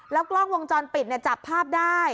กล้องวงจรปิดจับภาพได้